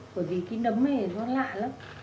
bởi vì cái nấm này nó lạ lắm